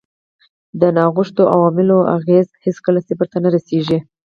د ناغوښتو عواملو اغېز هېڅکله صفر ته نه رسیږي.